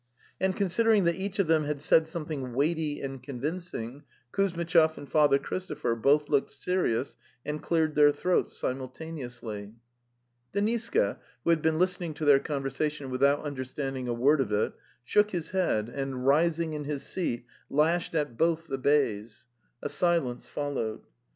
And considering that each of them had said some thing weighty and convincing, Kuzmitchov and Father Christopher both looked serious and cleared their throats simultaneously. Deniska, who had been listening to their conver sation without understanding a word of it, shook his head and, rising in his seat, lashed at both the bays. A silence followed.